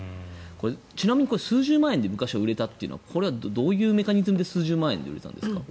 ちなみに数十万円で昔は売れたというのはどういうメカニズムで数十万円で売れたんですか？